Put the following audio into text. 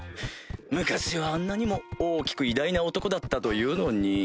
昔はあんなにも大きく偉大な男だったというのに。